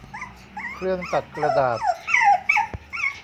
เครื่องตัดกระดาษ